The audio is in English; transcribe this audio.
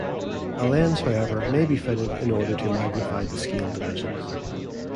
A lens, however, may be fitted, in order to magnify the scale divisions.